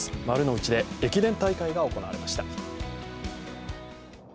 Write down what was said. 丸の内で駅伝大会が行われました。